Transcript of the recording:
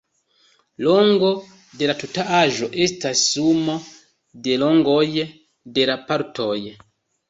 Longo de la tuta aĵo estas sumo de longoj de la partoj.